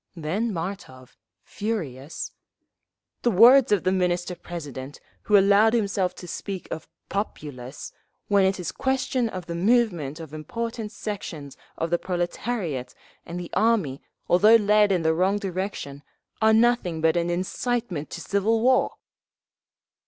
Then Martov, furious: "The words of the Minister President, who allowed himself to speak of 'populace' when it is question of the movement of important sections of the proletariat and the army—although led in the wrong direction—are nothing but an incitement to civil war."